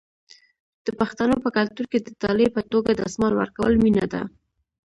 د پښتنو په کلتور کې د ډالۍ په توګه دستمال ورکول مینه ده.